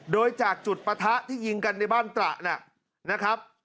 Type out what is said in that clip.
โดยจากจุดปะทะที่ยิงกันในบ้านตระนะครับ